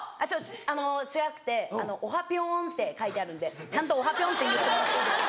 あの違くて『おはぴょん』って書いてあるんでちゃんと『おはぴょん』って言ってもらっていいですか」。